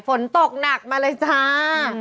ฝนตกหนักมาเลยจ้า